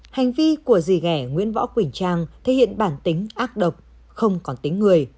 hành vi của dì ghẻ nguyễn võ quỳnh trang thể hiện bản tính ác độc không còn tính người